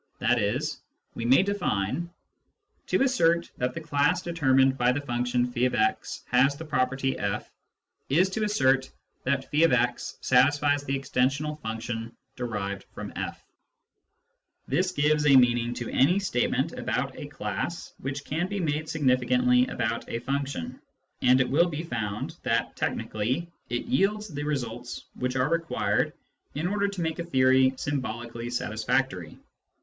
I.e. we may define : To assert that " the class determined by the function <f>x has the property/" is to assert that <f>x satisfies the extensional function derived from/ This gives a meaning to any statement about a class which can be made significantly about a function ; and it will be found that technically it yields the results which are required in order to make a theory symbolically satisfactory.